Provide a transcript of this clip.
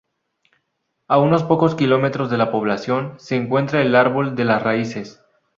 A unos pocos kilómetros de la población se encuentra el "Árbol de las Raíces".